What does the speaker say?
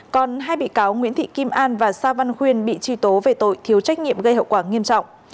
còn hai bị cáo nguyễn thị kim an và sa văn khuyên bị truy tố về tội thiếu trách nhiệm gây hậu quả nghiêm trọng